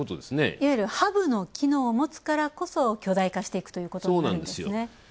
いわゆるハブの機能を持つからこそ巨大化していくということなんですね。